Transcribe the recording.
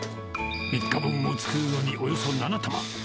３日分を作るのにおよそ７玉。